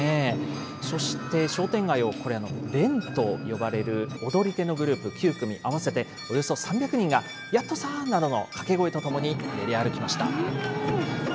そして商店街をこれ、連と呼ばれる踊り手のグループ９組、合わせておよそ３００人が、やっとさーなどの掛け声とともに練り歩きました。